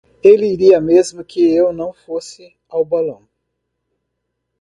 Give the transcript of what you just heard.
Ela iria mesmo que eu não fosse ao balão.